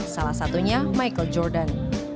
salah satunya michael jordan